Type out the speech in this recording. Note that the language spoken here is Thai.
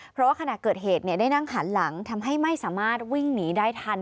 เพราะว่าขณะเกิดเหตุได้นั่งหันหลังทำให้ไม่สามารถวิ่งหนีได้ทัน